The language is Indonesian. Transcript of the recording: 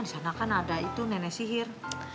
di sana kan ada itu nenek sihir